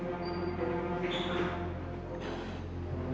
bila buurasan aku